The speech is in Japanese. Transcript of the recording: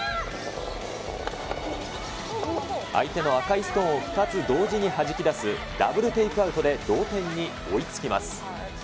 相手の赤いストーンを２つ同時にはじき出すダブルテイクアウトで同点に追いつきます。